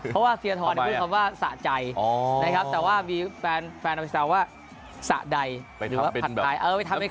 ก็ว่าธีรธรพูดทำว่าสะใจแต่ว่ามีแฟนสามารถว่าสะใดหรือว่าเหลือผัดไทย